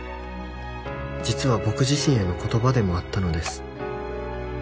「実は僕自身への言葉でもあったのです」